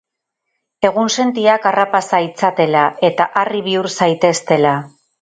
Egunsentiak harrapa zaitzatela, eta harri bihur zaiteztela!